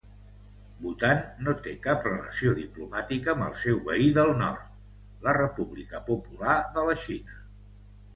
Bhutan no té cap relació diplomàtica amb el seu veí del nord, la República Popular de la Xina.